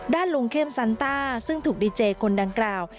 ลุงเข้มซันต้าซึ่งถูกดีเจคนดังกล่าว